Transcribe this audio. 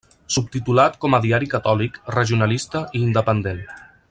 Subtitulat com a Diari catòlic, regionalista i independent.